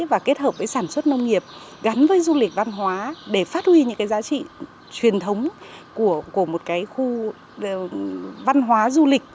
và kết hợp với sản xuất nông nghiệp gắn với du lịch văn hóa để phát huy những cái giá trị truyền thống của một cái khu văn hóa du lịch